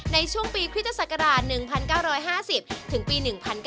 ในช่วงปีคริสตศักราช๑๙๕๐ถึงปี๑๙